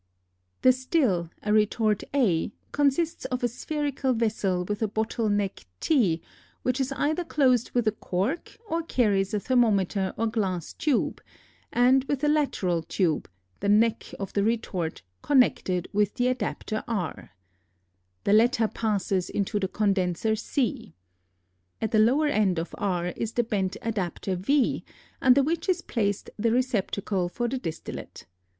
The still, a retort A, consists of a spherical vessel with a bottle neck t which is either closed with a cork or carries a thermometer or glass tube, and with a lateral tube, the neck of the retort, connected with the adapter r. The latter passes into the condenser C. At the lower end of R is the bent adapter v under which is placed the receptacle for the distillate.